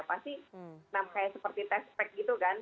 pasti seperti test pack gitu kan